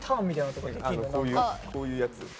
こういうやつ。